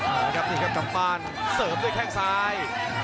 นี่ครับกลับบ้านเสิร์ฟด้วยแค่งซ้าย